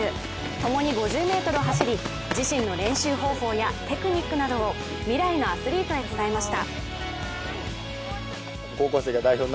共に５０ｍを走り自身の練習方法やテクニックなどを未来のアスリートへ伝えました。